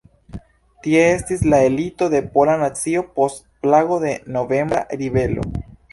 Tie estis la elito de pola nacio post plago de "Novembra Ribelo".